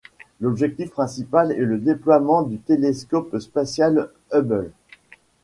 L'objectif principal est le déploiement du télescope spatial Hubble.